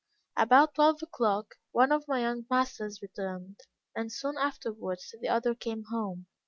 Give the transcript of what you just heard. "About twelve o'clock, one of my young masters returned, and soon afterwards the other came home.